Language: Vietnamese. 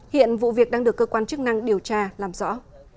hiện vụ việc đang được cơ quan chức năng điều tra làm rõ